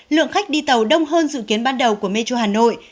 lượng khách đi tàu đông hơn dự kiến ban đầu của metro hà nội